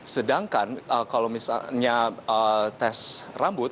sedangkan kalau misalnya tes rambut